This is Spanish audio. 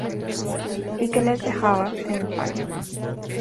y que les dejaba en el paro